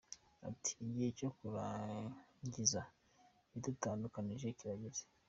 Ati : “Igihe cyo kurangiza ibidutandukanije kirageze.